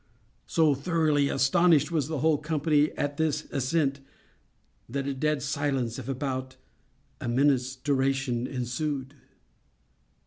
So thoroughly astonished was the whole company at this ascent, that a dead silence, of about a minute's duration, ensued.